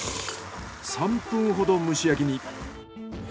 ３分ほど蒸し焼きに。